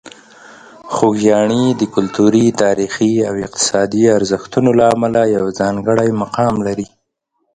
خوږیاڼي د کلتوري، تاریخي او اقتصادي ارزښتونو له امله یو ځانګړی مقام لري.